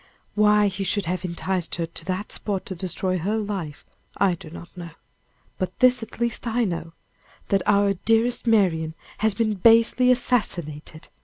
Why he should have enticed her to that spot to destroy her life, I do not know. But this, at least, I know: that our dearest Marian has been basely assassinated.